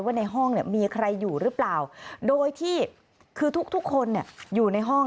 ว่าในห้องมีใครอยู่หรือเปล่าโดยที่คือทุกคนอยู่ในห้อง